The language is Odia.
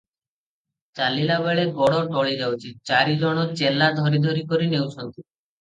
ଚାଲିବା ବେଳେ ଗୋଡ ଟଳି ଯାଉଛି, ଚାରି ଜଣ ଚେଲା ଧରାଧରି କରି ନେଉଛନ୍ତି ।